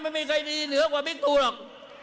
ไม่มีใครดีเหนือกว่าบิ๊กตูหรอก